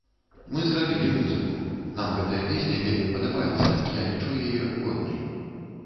Мы зрабілі музыку, нам гэтая песня вельмі падабаецца, я лічу яе годнай.